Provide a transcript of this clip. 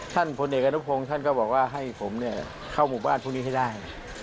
พลเอกอนุพงศ์ท่านก็บอกว่าให้ผมเข้าหมู่บ้านพวกนี้ให้ได้